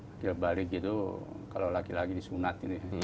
akhir balik itu kalau laki laki disunat